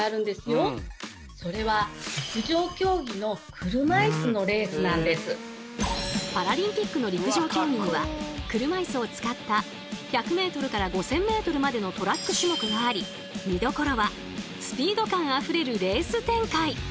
カネオくんパラリンピックの陸上競技には車いすを使った１００ｍから５０００ｍまでのトラック種目があり見どころはスピード感あふれるレース展開！